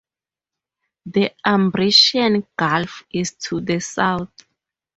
The Ambracian Gulf is to the south.